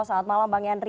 selamat malam bang yandri